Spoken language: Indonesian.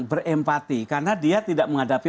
berempati karena dia tidak menghadapi